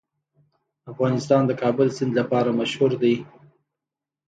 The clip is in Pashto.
افغانستان د د کابل سیند لپاره مشهور دی.